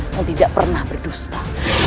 yang tidak pernah berdusta